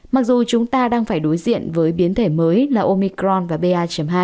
mặc dù chúng ta đang phải đối diện với biến thể mới là omicron và ba hai